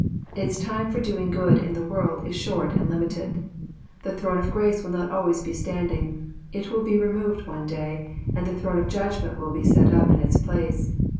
Its time for doing good in the world is short and limited. The throne of grace will not always be standing : it will be removed one day, and the throne of judgment will be set up in its place.